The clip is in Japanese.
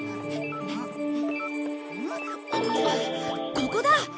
ここだ。